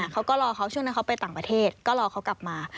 เขาก็รอเขาช่วงนั้นเขาไปต่างประเทศก็รอเขากลับมา